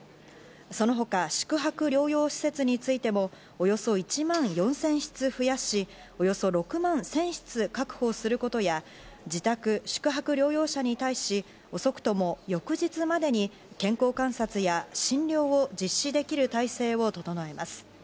その他、宿泊療養施設についてもおよそ１万４０００室増やし、およそ６万１０００室確保することや自宅・宿泊療養者に対し遅くとも翌日までに健康観察や診療を実施できる体制を整えます。